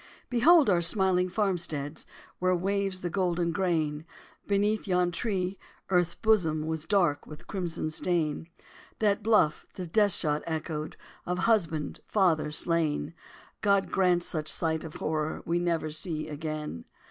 Behold our smiling farmsteads Where waves the golden grain! Beneath yon tree, earth's bosom Was dark with crimson stain. That bluff the death shot echoed Of husband, father, slain! God grant such sight of horror We never see again!